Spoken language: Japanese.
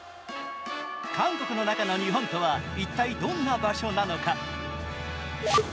韓国の中の日本とは、一体どんな場所なのか。